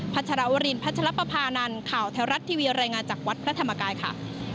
ชรวรินพัชรปภานันข่าวแถวรัฐทีวีรายงานจากวัดพระธรรมกายค่ะ